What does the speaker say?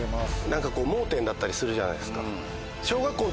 何かこう盲点だったりするじゃないですか。